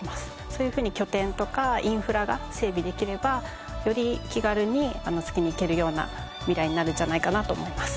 そういうふうに拠点とかインフラが整備できればより気軽に月に行けるような未来になるんじゃないかなと思います。